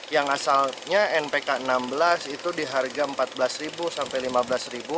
yang asalnya npk enam belas itu di harga rp empat belas sampai rp lima belas